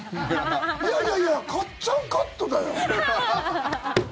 いやいやいやかっちゃんカットだよ！